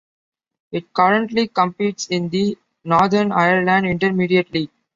It currently competes in the Northern Ireland Intermediate League.